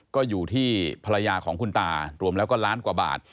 ก็อยู่ที่ภรรยาของคุณตารวมแล้วก็ล้านกว่าบาท